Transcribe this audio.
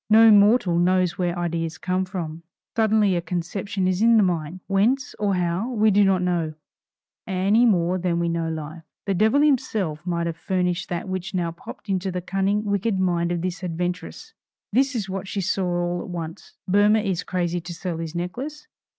No mortal knows where ideas come from. Suddenly a conception is in the mind, whence, or how, we do not know, any more than we know Life. The devil himself might have furnished that which now popped into the cunning, wicked mind of this adventuress. This is what she saw all at once: Boehmer is crazy to sell his necklace.